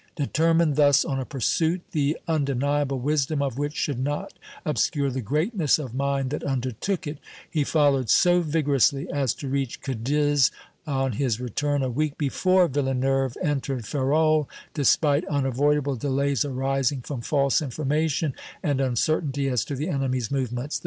Determined thus on a pursuit the undeniable wisdom of which should not obscure the greatness of mind that undertook it, he followed so vigorously as to reach Cadiz on his return a week before Villeneuve entered Ferrol, despite unavoidable delays arising from false information and uncertainty as to the enemy's movements.